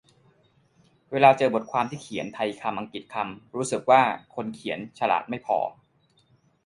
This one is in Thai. เวลาเจอบทความที่เขียนไทยคำอังกฤษคำ รู้สึกว่าคนเขียนฉลาดไม่พอ